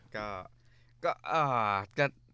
ก็ก็อ่าาจะ